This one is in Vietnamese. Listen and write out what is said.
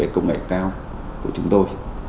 công nghệ cao của chúng tôi